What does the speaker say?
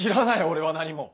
俺は何も。